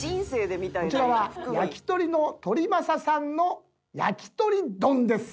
こちらは焼き鳥の鳥政さんのやきとり丼です。